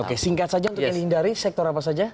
oke singkat saja untuk dihindari sektor apa saja